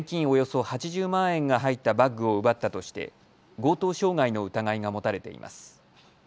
およそ８０万円が入ったバッグを奪ったとして強盗傷害の疑いが持たれています。